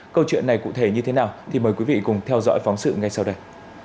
câu chuyện này cụ thể như thế nào thì mời quý vị cùng theo dõi phóng sự ngay sau đây